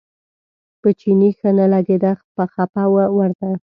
په چیني ښه نه لګېده خپه و ورنه.